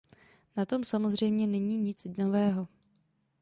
Na tom samozřejmě není nic nového.